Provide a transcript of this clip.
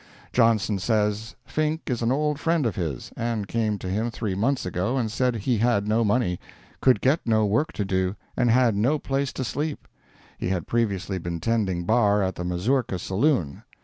Johnson says Fink is an old friend of his, and came to him three months ago and said he had no money, could get no work to do, and had no place to sleep; he had previously been tending bar at the Mazurka Saloon.